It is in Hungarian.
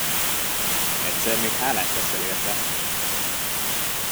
Egyszer még hálás leszel érte!